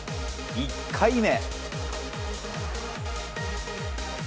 １回目。